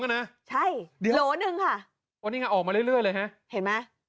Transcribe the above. ๑๒อ่ะนะใช่โหล๑ค่ะวันนี้ไงออกมาเรื่อยเลยฮะเห็นไหม